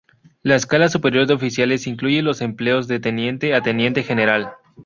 La Escala Superior de Oficiales incluye los empleos de Teniente a Teniente General.